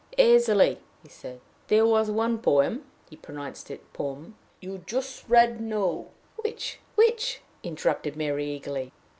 "Easily," he answered. "There was one poem" he pronounced it pome "you read just now " "Which? which?" interrupted Mary, eagerly.